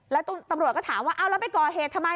แล้วตำรวจก็ถามว่าเอาแล้วไปก่อเหตุทำไม